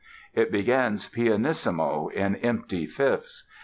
It begins pianissimo in empty fifths.